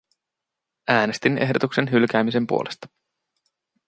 Äänestin ehdotuksen hylkäämisen puolesta.